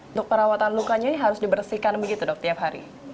untuk perawatan lukanya ini harus dibersihkan begitu dok tiap hari